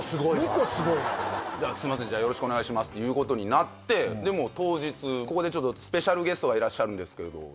じゃあよろしくお願いしますということになって当日ここでスペシャルゲストがいらっしゃるんですけど。